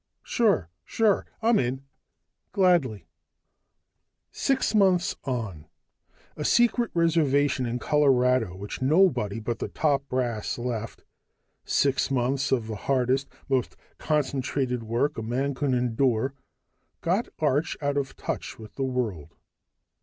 Sure sure, I'm in. Gladly!" Six months on a secret reservation in Colorado which nobody but the top brass left, six months of the hardest, most concentrated work a man could endure, got Arch out of touch with the world.